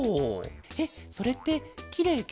えっそれってきれいケロ？